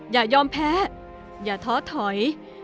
อย่ายอมแพ้อย่าท้อถอย